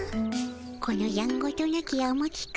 このやんごとなきあまきかおり。